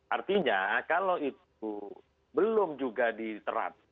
artinya kalau itu belum juga diterapkan